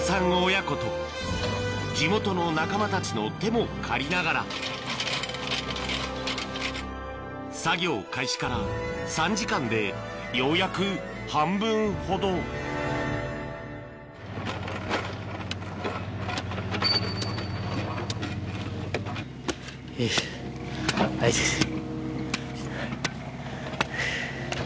親子と地元の仲間たちの手も借りながら作業開始から３時間でようやく半分ほどよいしょ痛てて。